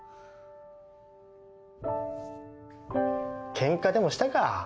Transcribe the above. ケンカでもしたか？